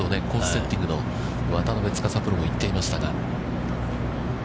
セッティングの渡辺司プロも言っていましたが。